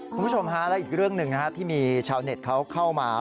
คุณผู้ชมฮะและอีกเรื่องหนึ่งที่มีชาวเน็ตเขาเข้ามา